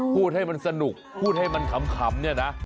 พูดให้มันสนุกพูดให้มันขำเนี่ยนะ